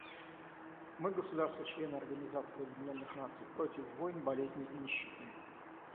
Мы, государства — члены Организации Объединенных Наций, против войн, болезней и нищеты.